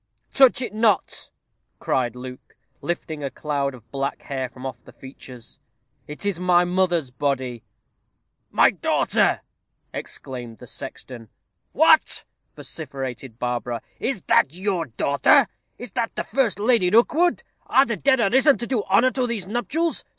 "Touch it not," cried Luke, lifting a cloud of black hair from off the features; "it is my mother's body." "My daughter!" exclaimed the sexton. "What!" vociferated Barbara, "is that your daughter is that the first Lady Rookwood? Are the dead arisen to do honor to these nuptials?